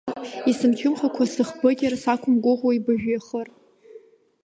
Исымчымхакәа сыхбыкьыр, сақәымгәыӷуеи быжәҩахыр!